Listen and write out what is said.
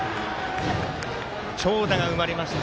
長打が生まれました。